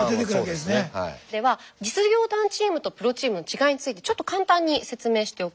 では実業団チームとプロチームの違いについてちょっと簡単に説明しておきます。